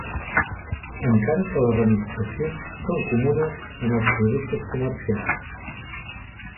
Encara que les ramificacions són comunes en els productes comercials.